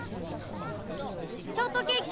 ショートケーキ！